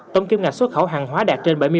tổng kiếm ngạch xuất khẩu hàng hóa đạt trên